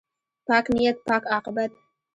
پاک نیت، پاک عاقبت.